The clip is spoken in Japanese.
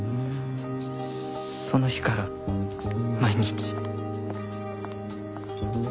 その日から毎日。